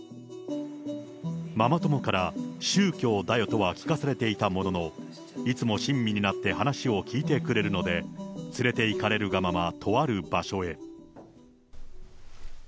ママ友から宗教だよとは聞かされていたものの、いつも親身になって話を聞いてくれるので、連れて行かれるがまま、とある場所へ。